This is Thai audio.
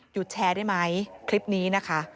แชร์ได้ไหมคลิปนี้นะคะ